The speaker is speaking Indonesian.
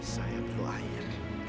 saya perlu air